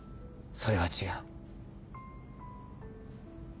それは違う。